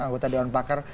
anggota dewan pakar